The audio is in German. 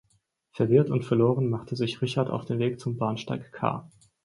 Verwirrt und verloren machte sich Richard auf den Weg zum Bahnsteig K.